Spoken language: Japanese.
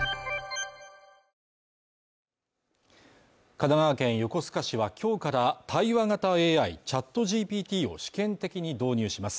神奈川県横須賀市は今日から対話型ＡＩＣｈａｔＧＴＰを試験的に導入します。